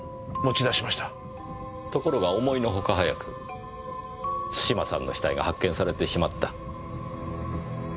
ところが思いのほか早く津島さんの死体が発見されてしまった。